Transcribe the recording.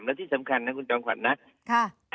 และที่สำคัญนะคุณจอมขวัญนะ